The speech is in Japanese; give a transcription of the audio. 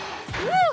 うん。